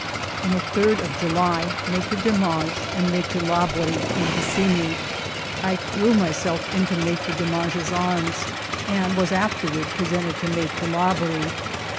On the 3d of July Maitre Demange and Maitre Labori came to see me. I threw myself into Maitre Demange's arms and was afterward presented to Maitre Labori.